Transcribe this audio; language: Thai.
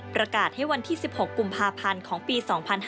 ประกาศให้วันที่๑๖กุมภาพันธ์ของปี๒๕๕๙